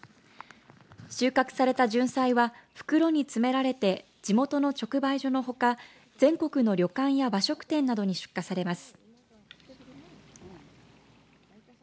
収穫されたジュンサイは袋に詰められて地元の直売所のほか全国の旅館や和食店などに出荷されます。